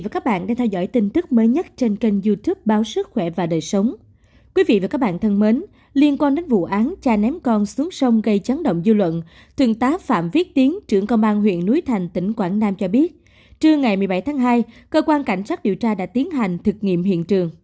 các bạn hãy đăng ký kênh để ủng hộ kênh của chúng mình nhé